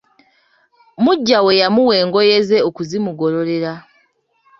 Muggya we yamuwa engoye ze okuzimugololera.